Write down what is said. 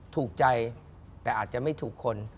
ถูกใจแต่อาจจะไม่ถูกคน